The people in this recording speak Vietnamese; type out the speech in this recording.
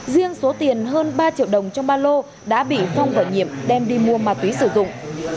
riêng số tiền hơn ba triệu đồng trong ba lô đã bị phong và nhiệm đem đi mua ma túy sử dụng